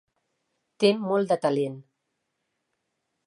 Té molt de talent.